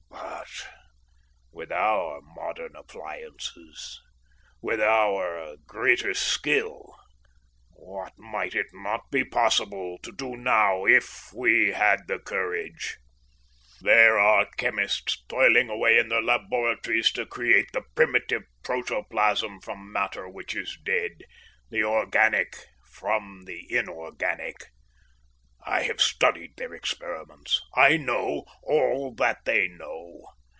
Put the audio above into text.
But with our modern appliances, with our greater skill, what might it not be possible to do now if we had the courage? There are chemists toiling away in their laboratories to create the primitive protoplasm from matter which is dead, the organic from the inorganic. I have studied their experiments. I know all that they know.